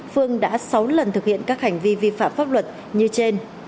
phương đã sáu lần thực hiện các hành vi vi phạm pháp luật như trên